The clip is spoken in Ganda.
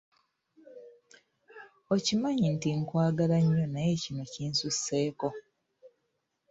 Okimanyi nti nkwagala nnyo naye kino kinsusseeko!